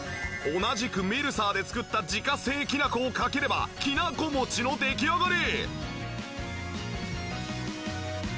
同じくミルサーで作った自家製きなこをかければきなこ餅の出来上がり！